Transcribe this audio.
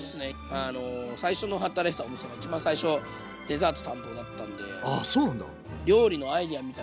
あの最初の働いてたお店が一番最初デザート担当だったんで。